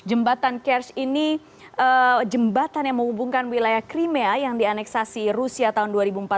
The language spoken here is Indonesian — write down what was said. jembatan cars ini jembatan yang menghubungkan wilayah crimea yang dianeksasi rusia tahun dua ribu empat belas